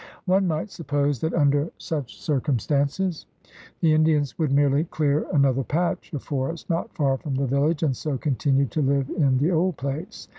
One might suppose that under such circum stances the Indians would merely clear another patch of forest not far from the village and so continue to live in the old place.